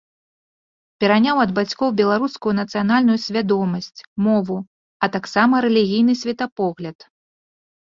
Пераняў ад бацькоў беларускую нацыянальную свядомасць, мову, а таксама рэлігійны светапогляд.